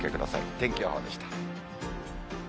天気予報でした。